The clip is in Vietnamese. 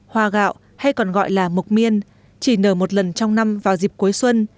hoa gạo hay còn gọi là mộc miên chỉ nở một lần trong năm vào dịp cuối xuân